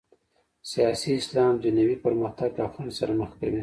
سیاسي اسلام دنیوي پرمختګ له خنډ سره مخ کوي.